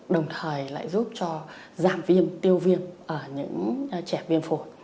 đồng thời lại giúp cho giảm viêm tiêu viêm ở những trẻ viêm phổi